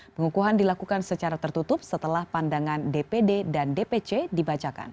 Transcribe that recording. pengukuhan dilakukan secara tertutup setelah pandangan dpd dan dpc dibacakan